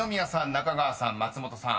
中川さん松本さん